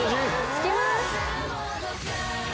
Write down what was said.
行きます。